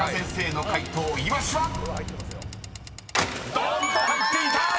［どんと入っていた！